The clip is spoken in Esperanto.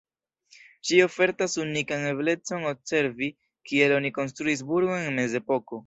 Ĝi ofertas unikan eblecon observi kiel oni konstruis burgon en mezepoko.